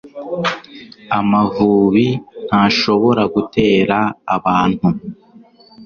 amavubi ntashobora gutera abantu